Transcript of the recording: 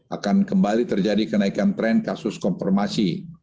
akan kembali terjadi kenaikan tren kasus konfirmasi